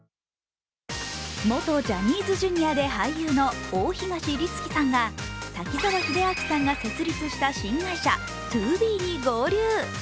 元ジャニーズＪｒ．で俳優の大東立樹さんが滝沢秀明さんが設立した新会社ＴＯＢＥに合流。